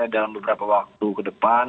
dalam beberapa waktu kedepan